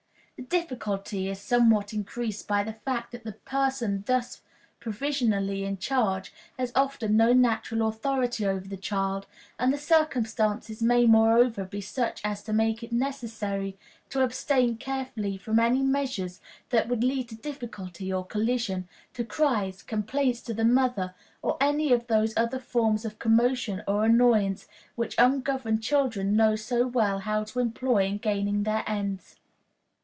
The difficulty is somewhat increased by the fact that the person thus provisionally in charge has often no natural authority over the child, and the circumstances may moreover be such as to make it necessary to abstain carefully from any measures that would lead to difficulty or collision, to cries, complaints to the mother, or any of those other forms of commotion or annoyance, which ungoverned children know so well how to employ in gaining their ends.